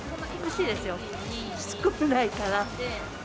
しつこくないから。